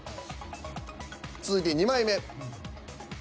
続いて２枚目。